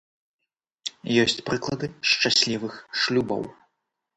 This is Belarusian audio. Ёсць прыклады шчаслівых шлюбаў.